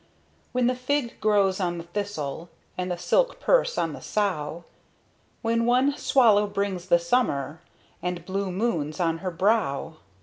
When the fig growns on the thistle, And the silk purse on the sow; When one swallow brings the summer, And blue moons on her brow!!!!!